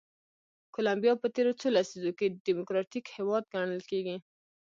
کولمبیا په تېرو څو لسیزو کې ډیموکراتیک هېواد ګڼل کېږي.